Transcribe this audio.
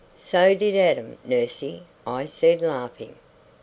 "So did Adam, nursey," I said laughing.